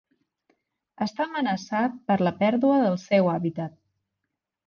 Està amenaçat per la pèrdua del seu hàbitat.